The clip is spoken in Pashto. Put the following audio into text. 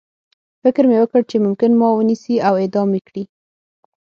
فکر مې وکړ چې ممکن ما ونیسي او اعدام مې کړي